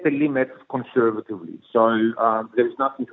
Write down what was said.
jadi mereka berlaku di level yang sangat tinggi